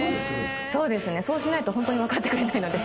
そうしないとホントにわかってくれないので。